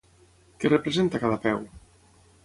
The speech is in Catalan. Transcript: Què representa cada peu?